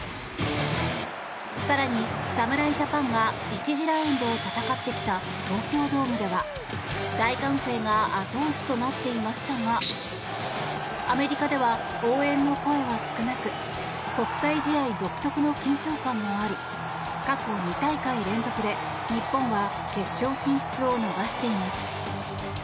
更に侍ジャパンは１次ラウンドを戦ってきた東京ドームでは大歓声が後押しとなっていましたがアメリカでは応援の声は少なく国際試合独特の緊張感もあり過去２大会連続で日本は決勝進出を逃しています。